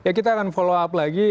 kita akan follow up lagi